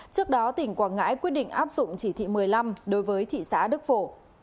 trước đó tỉnh quảng ngãi quyết định áp dụng chỉ thị một mươi năm đối với thị xã đức phổ